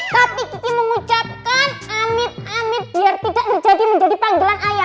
tapi kiki mengucapkan amit amit biar tidak terjadi menjadi panggilan ayah